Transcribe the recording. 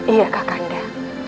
iya kak randa